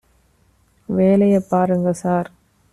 வேலைய பாருங்க சார்